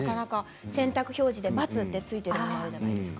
洗濯表示で×がついているのがあるじゃないですか。